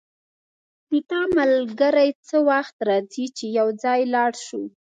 د تا ملګری څه وخت راځي چی یو ځای لاړ شو